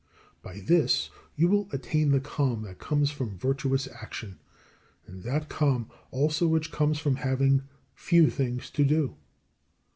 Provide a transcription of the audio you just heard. By this you will attain the calm that comes from virtuous action, and that calm also which comes from having few things to do.